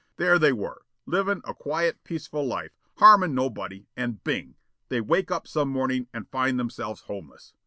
There they were, livin' a quiet, peaceful life, harmin' nobody, and bing! they wake up some mornin' and find themselves homeless.